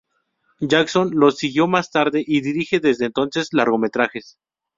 Jackson los siguió más tarde, y dirige desde entonces largometrajes.